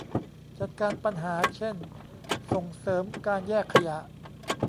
จัดการปัญหา เช่น ส่งเสริมการแยกขยะ